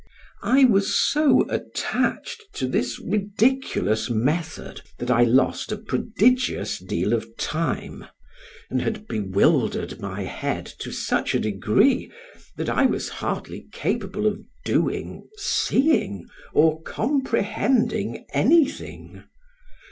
I was so attached to this ridiculous method, that I lost a prodigious deal of time and had bewildered my head to such a degree, that I was hardly capable of doing, seeing or comprehending anything.